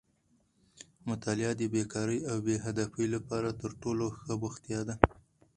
مطالعه د بېکارۍ او بې هدفۍ لپاره تر ټولو ښه بوختیا ده.